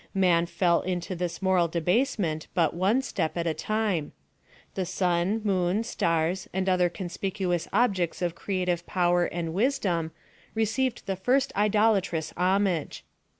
Man fell into this moral debasement but one step at a time. The sun, moon, stars, and other con spicuous objects of creative power and wisdom, re ceived the first idolatrous homage.